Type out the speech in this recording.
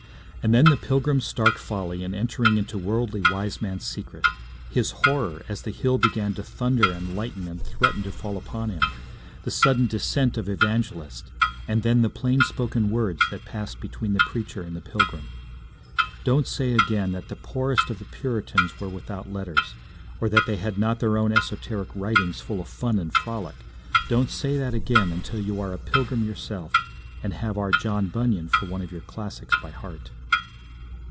And then the pilgrim's stark folly in entering into Worldly Wiseman's secret; his horror as the hill began to thunder and lighten and threaten to fall upon him; the sudden descent of Evangelist; and then the plain spoken words that passed between the preacher and the pilgrim, don't say again that the poorest of the Puritans were without letters, or that they had not their own esoteric writings full of fun and frolic; don't say that again till you are a pilgrim yourself, and have our John Bunyan for one of your classics by heart.